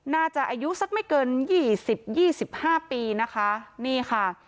น่าจะอายุสักไม่เกิน๒๐๒๕ปีนะคะนี่ค่ะ